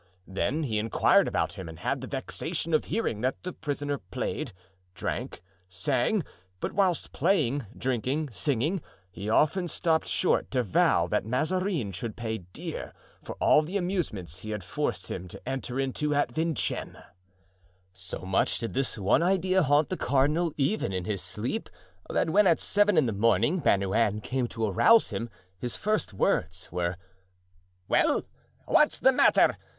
Then he inquired about him and had the vexation of hearing that the prisoner played, drank, sang, but that whilst playing, drinking, singing, he often stopped short to vow that Mazarin should pay dear for all the amusements he had forced him to enter into at Vincennes. So much did this one idea haunt the cardinal even in his sleep, that when at seven in the morning Bernouin came to arouse him, his first words were: "Well, what's the matter?